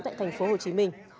tại thành phố hồ chí minh